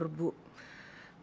iya saya bersyukur bu